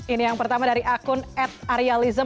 ini yang pertama dari akun ad arealism